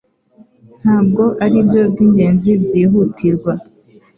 Ntabwo aribyo byingenzi byihutirwa